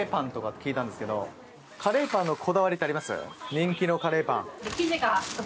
人気のカレーパン。